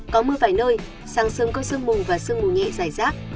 có mưa vài nơi sáng sớm có sương mù và sương mù nhẹ dài rác